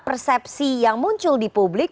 persepsi yang muncul di publik